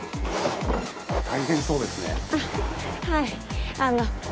大変そうですね。